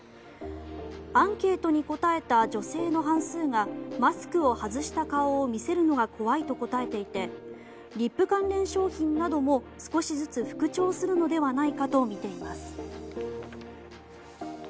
アンケートに答えた女性の半数がマスクを外した顔を見せるのが怖いと答えていてリップ関連商品なども少しずつ復調するのではないかとみています。